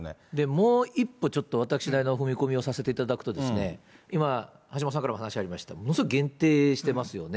もう一歩ちょっと、私なりの踏み込みをさせていただくと、今、橋本さんからもお話ありました、ものすごい限定してますよね。